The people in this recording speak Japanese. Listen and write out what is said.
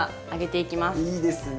いいですね。